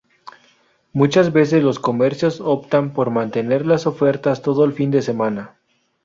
Muchas veces los comercios optan por mantener las ofertas todo el fin de semana.